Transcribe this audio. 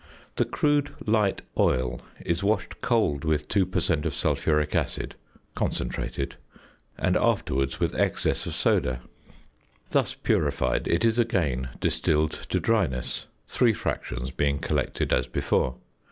The "crude light oil" is washed cold with 2 per cent. of sulphuric acid (concentrated), and afterwards with excess of soda. Thus purified it is again distilled to dryness, three fractions being collected as before.